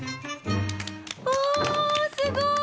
おすごい！